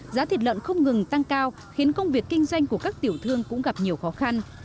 giá thịt lợn không ngừng tăng cao khiến công việc kinh doanh của các tiểu thương cũng gặp nhiều khó khăn